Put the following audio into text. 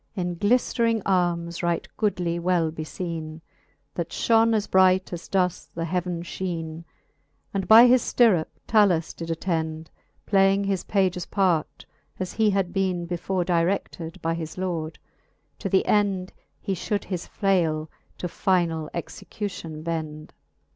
In gliflering armes right goodly well befeene, That fhone as bright, as doth the heaven, fheene ; And by his ftirrup 7alus did attend. Playing his pages part, as he had beene Before direded by his lord ; to th'end He fhould his flale to finall execution bend. XXX.